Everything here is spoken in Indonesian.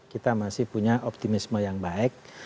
kita masih punya optimisme yang baik